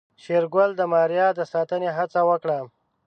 شېرګل د ماريا د ساتنې هڅه وکړه.